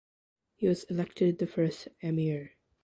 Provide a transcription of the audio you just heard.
He was elected the first Emir.